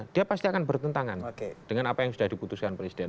dia pasti akan bertentangan dengan apa yang sudah diputuskan presiden